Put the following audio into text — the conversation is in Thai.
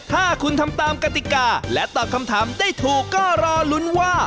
ถ้าคุณทำตามกติกาและตอบคำถามได้ถูกก็รอลุ้นว่า